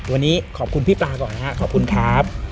วันนี้ขอบคุณพี่ปลาก่อนนะครับขอบคุณครับ